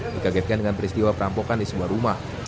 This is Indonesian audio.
dikagetkan dengan peristiwa perampokan di sebuah rumah